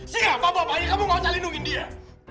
siapa bapaknya kamu mau cah lindungi dia